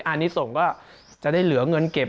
อันนี้ส่งก็จะได้เหลือเงินเก็บ